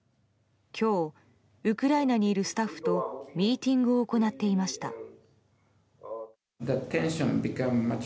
今日、ウクライナにいるスタッフとミーティングを行っていました。